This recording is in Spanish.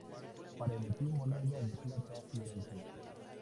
Para emitir monedas de plata y bronce.